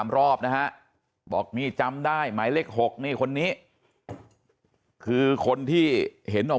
รอบนะฮะบอกนี่จำได้หมายเลข๖นี่คนนี้คือคนที่เห็นออก